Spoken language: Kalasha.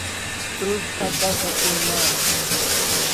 Prus't a tasa kay mam